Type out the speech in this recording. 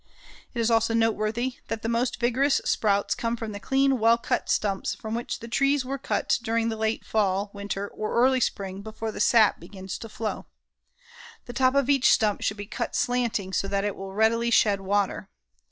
It is also noteworthy that the most vigorous sprouts come from the clean, well cut stumps from which the trees were cut during the late fall, winter or early spring before the sap begins to flow. The top of each stump should be cut slanting so that it will readily shed water.